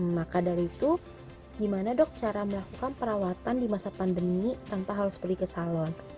maka dari itu gimana dok cara melakukan perawatan di masa pandemi tanpa harus pergi ke salon